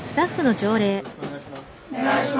お願いします。